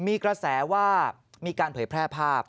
มีกระแสว่ามีการเผยแพร่ภาพ